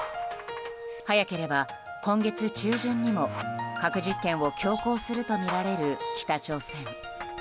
早ければ今月中旬にも核実験を強行するとみられる北朝鮮。